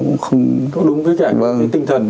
nó cũng không đúng với cái tinh thần